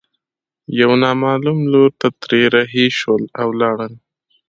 يوه نامعلوم لور ته ترې رهي شول او ولاړل.